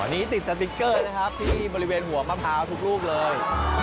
นี่ติดสติ๊กเกอร์นะครับที่บริเวณหัวมะพร้าวทุกลูกเลย